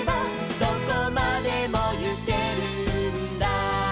「どこまでもゆけるんだ」